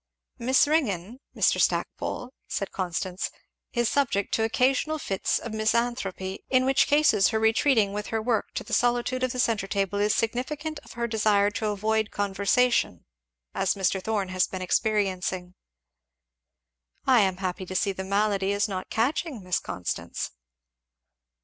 "Miss Ringgan, Mr. Stackpole," said Constance, "is subject to occasional fits of misanthropy, in which cases her retreating with her work to the solitude of the centre table is significant of her desire to avoid conversation, as Mr. Thorn has been experiencing." "I am happy to see that the malady is not catching, Miss Constance."